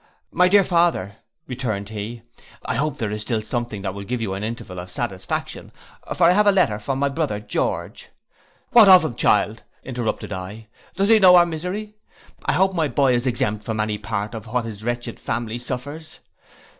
'—'My dear father,' returned he, 'I hope there is still something that will give you an interval of satisfaction; for I have a letter from my brother George'—'What of him, child,' interrupted I, 'does he know our misery. I hope my boy is exempt from any part of what his wretched family suffers?